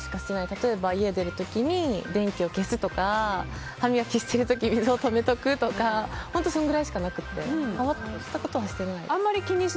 例えば家を出る時に電気を消すとか歯磨きしてる時に水を止めておくとかそのぐらいしかなくて変わったことはしてないです。